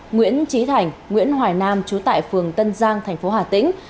nguyễn trí thành nguyễn hoài nam trú tại phường tân giang thành phố hà tĩnh